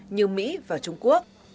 như mỹ và trung quốc